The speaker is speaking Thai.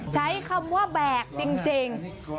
ใช้คำว่าแบกจริง